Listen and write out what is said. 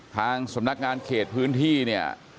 ทางสำนักงานเขตพื้นที่เนี่ย